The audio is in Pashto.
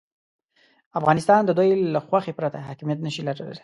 افغانستان د دوی له خوښې پرته حاکمیت نه شي لرلای.